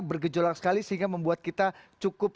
bergejolak sekali sehingga membuat kita cukup